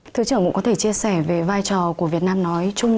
thưa trưởng cũng có thể chia sẻ về vai trò của việt nam nói chung